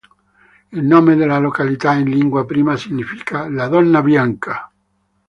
Il nome della località in lingua pima significa "la donna bianca".